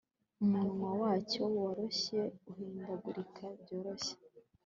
Umunwa wacyo woroshye uhindagurika byoroshye